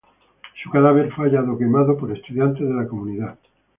Su cadáver fue hallado quemado por estudiantes de la comunidad.